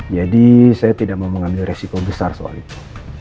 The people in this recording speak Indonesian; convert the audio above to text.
saya tidak mau mengambil resiko besar soal itu